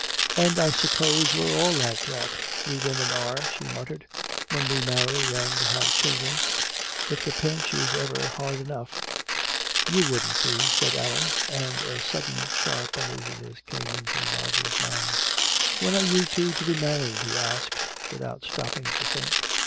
"And I suppose we're all like that, we women are," she muttered, "when we marry and have children. If the pinch is ever hard enough " "You wouldn't be," said Allan. And a sudden sharp uneasiness came into Roger's mind. "When are you two to be married?" he asked, without stopping to think.